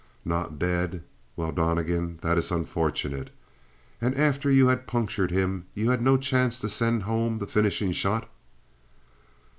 "Not dead? Well, Donnegan, that is unfortunate. And after you had punctured him you had no chance to send home the finishing shot?"